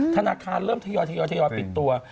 ธนาคารเริ่มทยอยปิดตัว